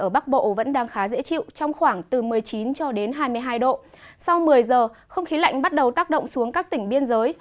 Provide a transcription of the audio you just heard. bây giờ không khí lạnh bắt đầu tác động xuống các tỉnh biên giới